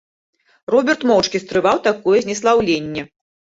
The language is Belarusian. Роберт моўчкі стрываў такое знеслаўленне.